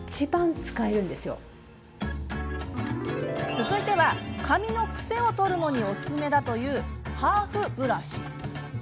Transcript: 続いては、髪のクセを取るのにおすすめだというハーフブラシ。